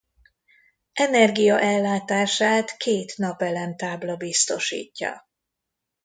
Energiaellátását két napelemtábla biztosítja.